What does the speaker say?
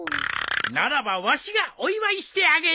ならばわしがお祝いしてあげよう。